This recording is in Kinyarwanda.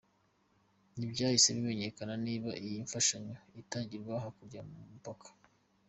Ntibyahise bimenyekana niba iyi mfashanyo itangirwa hakurya y'umupaka.